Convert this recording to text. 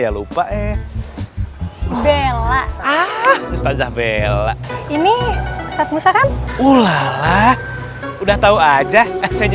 lebih baik ustaz musa ikut nyari fikri deh